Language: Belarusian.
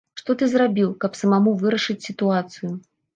Што ты зрабіў, каб самому вырашыць сітуацыю?